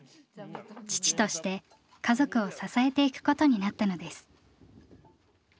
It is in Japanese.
父として家族を支えていくことになったのです。